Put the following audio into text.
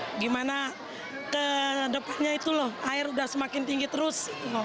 bagaimana ke depannya itu loh air sudah semakin tinggi terus